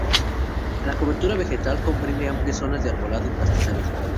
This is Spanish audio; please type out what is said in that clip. La cobertura vegetal comprende amplias zonas de arbolado y pastizales.